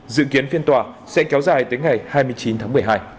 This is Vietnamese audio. dự kiến phiên tòa sẽ kéo dài tới ngày hai mươi chín tháng một mươi hai